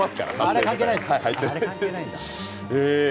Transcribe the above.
あれ関係ないんだ。